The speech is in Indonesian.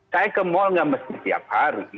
saya ke mall nggak mesti tiap hari